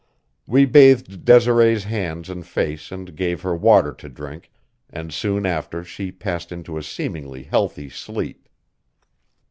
We bathed Desiree's hands and face and gave her water to drink, and soon after she passed into a seemingly healthy sleep.